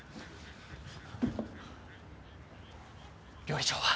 料理長は？